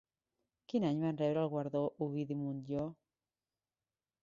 Quin any van rebre el guardó Ovidi Montllor?